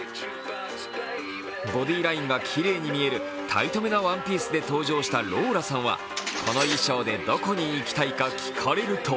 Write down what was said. ボディーラインがきれいに見えるタイト目なワンピースで登場したローラさんはこの衣装でどこに行きたいか聞かれると